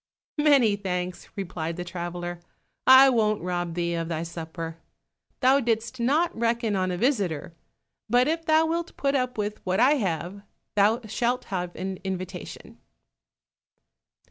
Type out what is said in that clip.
"Many thanks," replied the traveler, "I won't rob thee of thy supper; thou didst not reckon on a visitor, but if thou wilt put up with what I have, thou shalt have an invitation."